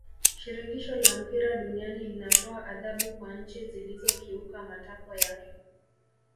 shirikisho la mpira duniani linatoa adhabu kwa nchi zilizokiuka matakwa yake